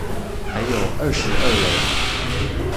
還有二十二人